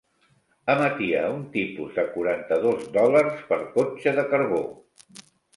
Emetia un tipus de quaranta dos dòlars per cotxe de carbó.